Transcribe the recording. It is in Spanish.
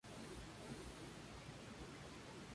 Este pensamiento lo lleva rápidamente al cuidado del otro.